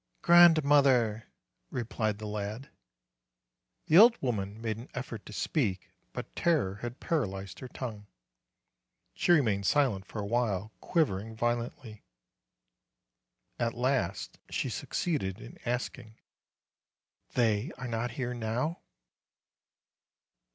"Grandmother !" replied the lad. The old woman made an effort to speak; but terror had paralyzed her tongue. She remained silent for a while, quivering violently. At last she succeeded in asking: 'They are not here now?"